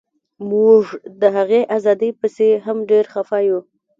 موږ د هغې ازادۍ پسې هم ډیر خفه یو